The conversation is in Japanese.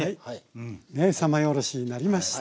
三枚おろしになりました。